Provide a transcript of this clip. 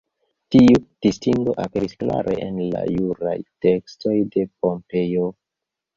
Tiu distingo aperis klare en la juraj tekstoj de Pompejo.